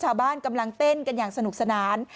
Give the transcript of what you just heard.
ชาวบ้านกำลังเต้นกันอย่างสนุกสนาน